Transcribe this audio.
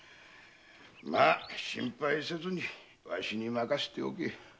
まあ心配せずにわしに任せておけ。